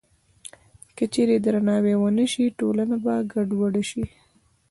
که چېرې درناوی ونه شي، ټولنه به ګډوډه شي.